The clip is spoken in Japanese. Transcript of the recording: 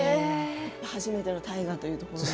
初めての大河ということで。